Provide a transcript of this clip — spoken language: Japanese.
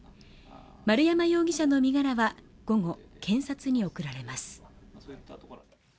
丸山容疑者の身柄は午後、検察に送られます。